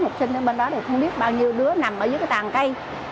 học sinh ở bên đó thì không biết bao nhiêu đứa nằm ở dưới cái tàn cây